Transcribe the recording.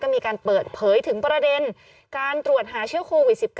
มีการเปิดเผยถึงประเด็นการตรวจหาเชื้อโควิด๑๙